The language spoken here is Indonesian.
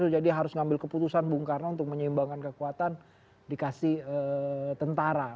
jadi harus ngambil keputusan bung karno untuk menyeimbangkan kekuatan dikasih tentara